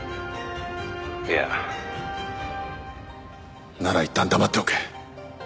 「いや」ならいったん黙っておけ。